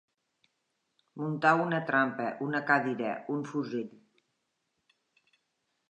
Muntar una trampa, una cadira, un fusell.